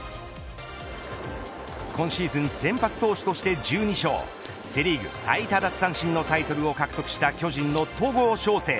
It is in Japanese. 今シーズン先発投手として１２勝セ・リーグ最多奪三振のタイトルを獲得した巨人の戸郷翔征。